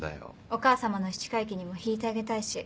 お母様の七回忌にも弾いてあげたいし。